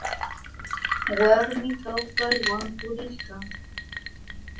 Warmi kawpay wankurishka